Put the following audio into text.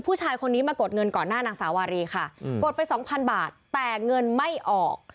ผู้ชายคนนี้มากดเงินก่อนหน้านางสาวารีค่ะกดไปสองพันบาทแต่เงินไม่ออก